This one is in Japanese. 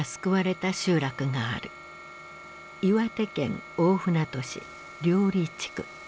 岩手県大船渡市綾里地区。